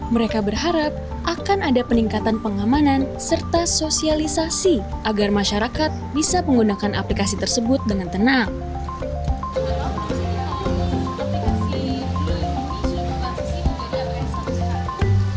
mereka berharap akan ada peningkatan pengamanan serta sosialisasi agar masyarakat bisa menggunakan aplikasi tersebut dengan tenang